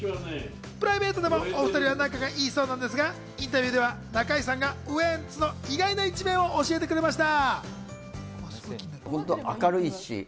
プライベートでもお２人は仲がいいそうなんですがインタビューでは中居さんがウエンツの意外な一面を教えてくれました。